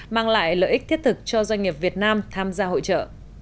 mang lại lợi ích thiết thực cho doanh nghiệp việt nam tham gia hội trợ